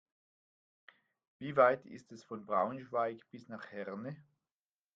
Wie weit ist es von Braunschweig bis nach Herne?